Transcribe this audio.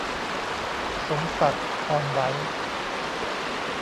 สมศักดิ์ อ่อนไหว